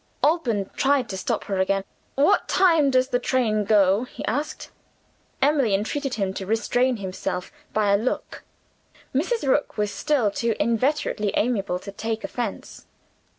Alban tried to stop her again. "What time does the train go?" he asked. Emily entreated him to restrain himself, by a look. Mrs. Rook was still too inveterately amiable to take offense.